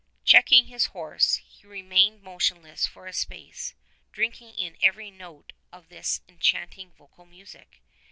Checking his horse he remained motionless for a space, drinking in every note of this en chanting vocal music.